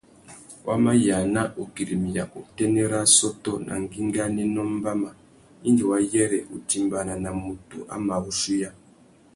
Wa mà yāna ugüirimiya utênê râ assôtô nà ngüinganénô mbama indi wa yêrê utimbāna nà mutu a mà wuchuiya.